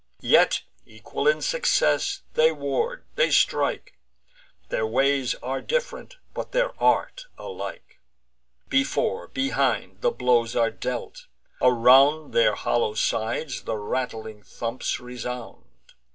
Yet equal in success, they ward, they strike; Their ways are diff'rent, but their art alike. Before, behind, the blows are dealt; around Their hollow sides the rattling thumps resound.